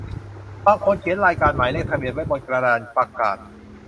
บางคนเขียนรายการหมายเลขทะเบียนไว้บนกระดานประกาศ